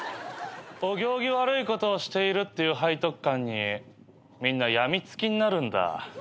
お行儀悪いことをしているっていう背徳感にみんな病みつきになるんだ。